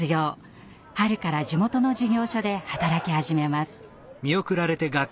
春から地元の事業所で働き始めます。